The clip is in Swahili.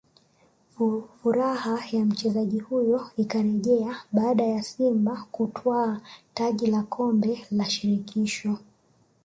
furaha ya mchezaji huyo ikarejea baada ya Simba kutwaa taji la Kombela Shirikisho